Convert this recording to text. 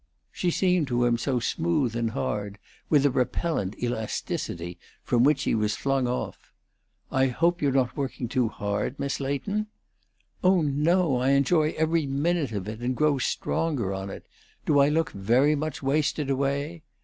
She seemed to him so smooth and hard, with a repellent elasticity from which he was flung off. "I hope you're not working too hard, Miss Leighton?" "Oh no! I enjoy every minute of it, and grow stronger on it. Do I look very much wasted away?"